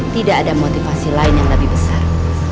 tidak ada motivasi lain yang lebih besar